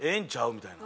みたいな。